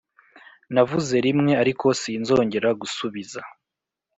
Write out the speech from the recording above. Navuze rimwe ariko sinzongera gusubiza